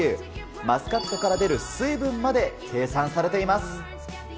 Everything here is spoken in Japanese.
マスカットから出る水分まで計算されています。